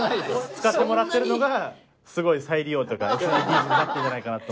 使ってもらってるのがすごい再利用とかＳＤＧｓになってるんじゃないかなと。